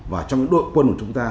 và trong đội quân của chúng ta